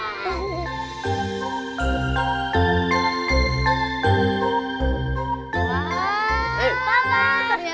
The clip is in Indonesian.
wah ternyata kalian di sini ya